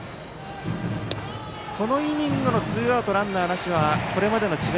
このイニングのツーアウトランナーなしはこれまでの智弁